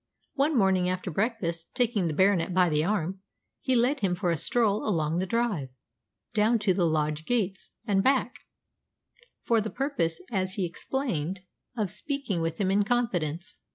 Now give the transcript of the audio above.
One morning after breakfast, taking the Baronet by the arm, he led him for a stroll along the drive, down to the lodge gates, and back, for the purpose, as he explained, of speaking with him in confidence.